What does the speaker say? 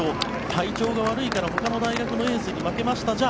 体調が悪いからほかの大学のエースに負けましたじゃ